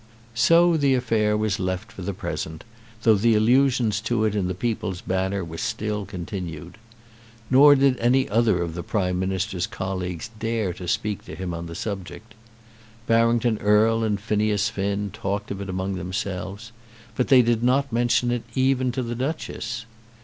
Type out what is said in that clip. So the affair was left for the present, though the allusions to it in the "People's Banner" were still continued. Nor did any other of the Prime Minister's colleagues dare to speak to him on the subject. Barrington Erle and Phineas Finn talked of it among themselves, but they did not mention it even to the Duchess.